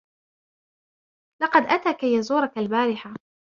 لقد أتى كي يزورك البارحة.